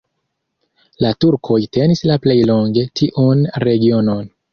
La turkoj tenis la plej longe tiun regionon.